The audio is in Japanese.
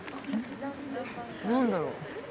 何だろう？